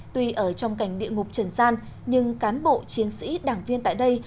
tuy ở trong cảnh địa ngục trần gian nhưng cán bộ chiến sĩ đảng viên tại đây